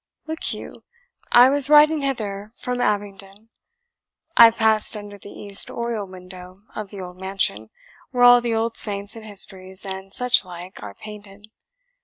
"Look you, I was riding hither from Abingdon. I passed under the east oriel window of the old mansion, where all the old saints and histories and such like are painted.